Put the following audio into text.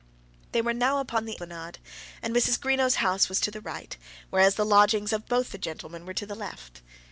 They were now upon the esplanade, and Mrs. Greenow's house was to the right, whereas the lodgings of both the gentlemen were to the left.